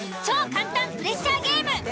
超簡単プレッシャーゲーム！